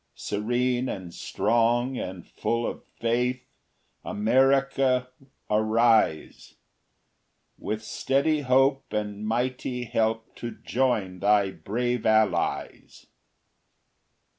Serene and strong and full of faith, America, arise, With steady hope and mighty help to join thy brave Allies.